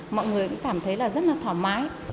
mọi người cũng cảm thấy là rất là thoải mái